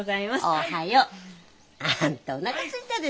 おはよう。あんたおなかすいたでしょ。